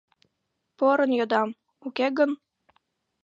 Порын йодам, уке гын...